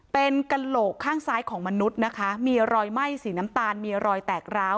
เป็นกระโหลกข้างซ้ายของมนุษย์นะคะมีรอยไหม้สีน้ำตาลมีรอยแตกร้าว